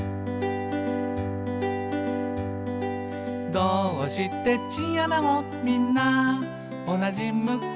「どーうしてチンアナゴみんなおなじ向き？」